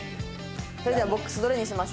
それではボックスどれにします？